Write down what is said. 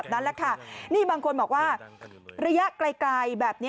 พฤติกรรมแบบนี้